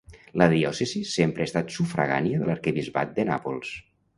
La diòcesi sempre ha estat sufragània de l'arquebisbat de Nàpols.